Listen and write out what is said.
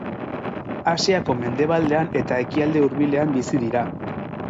Asiako mendebaldean eta Ekialde Hurbilean bizi dira.